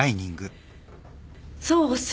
そうそう。